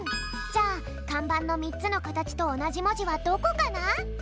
じゃあかんばんの３つのかたちとおなじもじはどこかな？